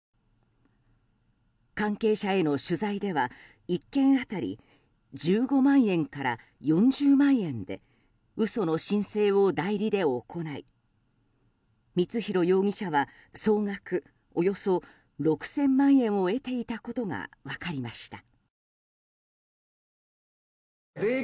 関係者への取材では１件当たり１５万円から４０万円で嘘の申請を代理で行い光弘容疑者は総額およそ６０００万円を得ていたことが分かりました。